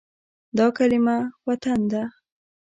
دا کلمه “وطن” ده.